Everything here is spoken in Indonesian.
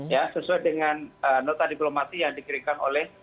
ya sesuai dengan nota diplomasi yang dikirimkan oleh